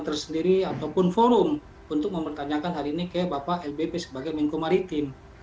bapak lbp sendiri ataupun forum untuk mempertanyakan hari ini ke bapak lbp sebagai menko maritim